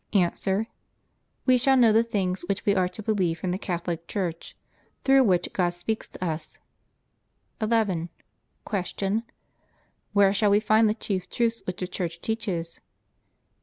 A. We shall know the things which we are to believe from the Catholic Church, through which God speaks to us. 11. Q. Where shall we find the chief truths which the Church teaches?